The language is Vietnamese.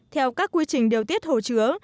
theo các quy trình điều tiết hồ chứa